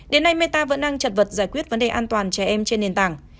đến nay meta vẫn đang chật vật giải quyết vấn đề an toàn trẻ em trên nền tảng